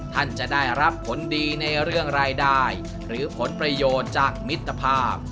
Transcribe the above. ท่านจะได้รับผลดีในเรื่องรายได้หรือผลประโยชน์จากมิตรภาพ